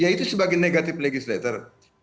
yaitu sebagai negative legislator